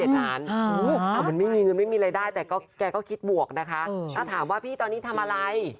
ถ้าถามว่าพี่ตอนนี้ทำอะไร